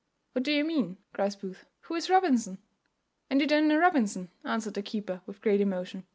"What do you mean?" cries Booth; "who is Robinson?" "And you don't know Robinson?" answered the keeper with great emotion.